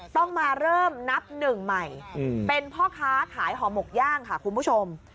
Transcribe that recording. ต้องมาเริ่มนับหนึ่งใหม่เป็นพ่อค้าขายห่อหมกย่างค่ะคุณผู้ชม